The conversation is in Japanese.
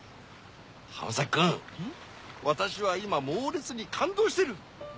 浜崎君私は今猛烈に感動してる！